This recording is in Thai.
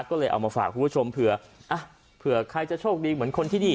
ก็เลยเอามาฝากคุณผู้ชมเผื่ออ่ะเผื่อใครจะโชคดีเหมือนคนที่นี่